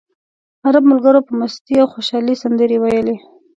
عرب ملګرو په مستۍ او خوشالۍ سندرې وویلې.